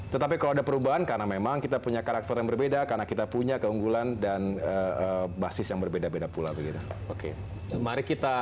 tetapi kalau ada perubahan karena memang kita punya karakter yang berbeda karena kita punya keunggulan dan basis yang berbeda beda pula